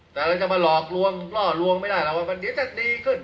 แต่เราจะมาหลอกลวงล่อลวงไม่ได้หรอกว่ามันเดี๋ยวจะดีขึ้น